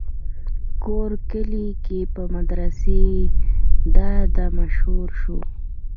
کور کلي کښې پۀ مدرسې دادا مشهور شو